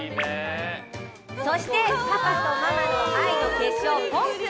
そしてパパとママの愛の結晶ぽん君。